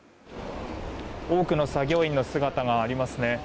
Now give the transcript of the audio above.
多くの作業員の姿がありますね。